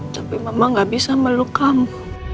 tapi mama gak bisa meluk kamu